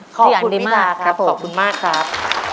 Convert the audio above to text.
ขอบคุณดีมากครับขอบคุณมากครับ